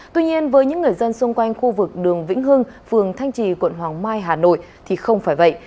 tuy nhiên với những người dân xung quanh khu vực đường vĩnh hưng phường thanh trì quận hoàng mai hà nội thì không phải vậy